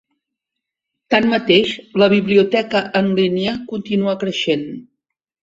Tanmateix, la biblioteca en línia continua creixent.